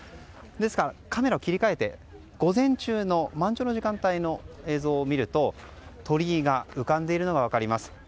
ですから、カメラを切り替えて午前中の満潮の時間帯の映像を見ると鳥居が浮かんでいるのが分かります。